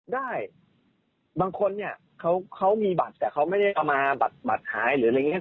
ได้บางคนเนี่ยเขามีบัตรแต่เขาไม่ได้เอามาบัตรหายหรืออะไรอย่างนี้